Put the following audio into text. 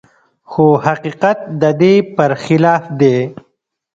خو حقيقت د دې پرخلاف دی.